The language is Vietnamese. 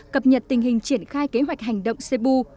cập nhật tình hình triển khai kế hoạch hành động cu